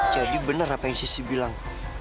jadi bener apa yang sissy bilang